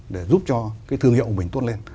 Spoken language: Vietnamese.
để giúp cho cái thương hiệu của mình tốt lên